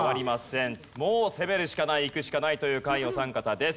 もう攻めるしかないいくしかないという下位お三方です。